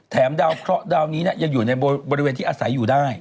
ดาวเคราะห์ดาวนี้ยังอยู่ในบริเวณที่อาศัยอยู่ได้